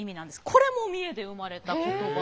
これも三重で生まれた言葉。